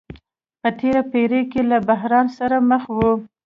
په تېره پېړۍ کې له بحران سره مخ وو.